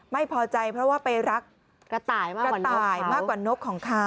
ไม่พอใจเพราะว่าไปรักกระต่ายมากกว่านกของเขา